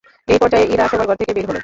এই পর্যায়ে ইরা শোবার ঘর থেকে বের হলেন।